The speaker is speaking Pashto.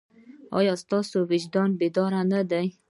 ایا ستاسو وجدان بیدار نه دی؟